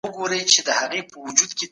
د مېوو جوس بدن ته ارامتیا ورکوي.